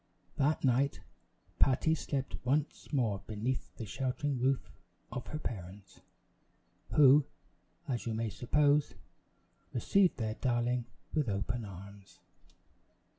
That night Patty slept once more beneath the sheltering roof of her parents, who, as you may suppose, received their darling with open arms.